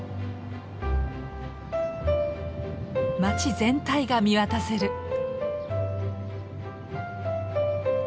街全体が見渡せる。